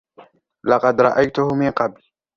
لقد رأيتهُ من قبل.